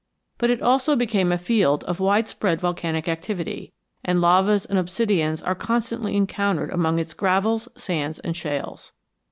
But it also became a field of wide spread volcanic activity, and lavas and obsidians are constantly encountered among its gravels, sands, and shales.